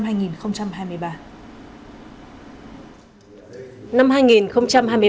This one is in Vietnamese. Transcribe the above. năm hai nghìn hai mươi ba cụm thi đua số hai bộ công an gồm các tỉnh lai châu lạng sơn hà giang điện biên cao bằng sơn la lào cai